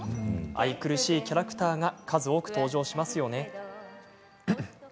愛くるしいキャラクターが数多く登場しますよね。